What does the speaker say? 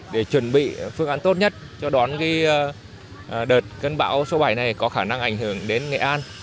để chuẩn bị phương án tốt nhất cho đón đợt cơn bão số bảy này có khả năng ảnh hưởng đến nghệ an